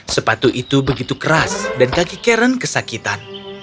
sepatu itu begitu keras dan kaki karen kesakitan